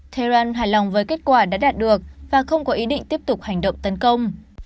tehran hài lòng với kết quả đã đạt được và không có ý định tiếp tục hành động tấn công